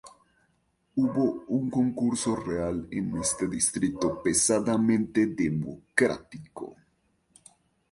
Hubo un concurso real en este distrito pesadamente Democrático.